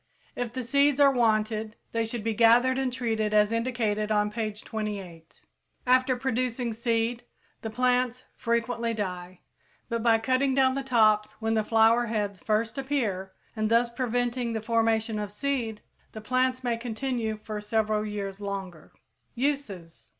If the seeds are wanted, they should be gathered and treated as indicated on page 28. After producing seed, the plants frequently die; but by cutting down the tops when the flower heads first appear, and thus preventing the formation of seed, the plants may continue for several years longer. _Uses.